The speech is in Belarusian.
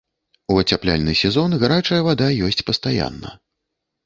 У ацяпляльны сезон гарачая вада ёсць пастаянна.